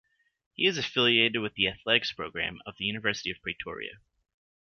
He is affiliated with the athletics program of the University of Pretoria.